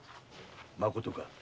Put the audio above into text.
まことか？